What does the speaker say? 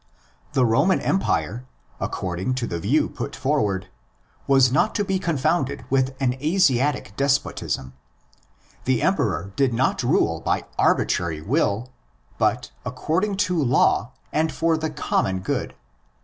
The Roman Empire, according to the view put forward, was not to be confounded with an Asiatic despotism. The Emperor did not rule by arbitrary will, but according to law and for the common good.